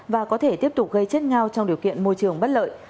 và có thể tiếp tục gây chết ngao trong điều kiện môi trường bất lợi